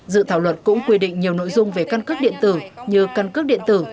dự thảo luật cũng quy định nhiều nội dung về căn cước điện tử như căn cước điện tử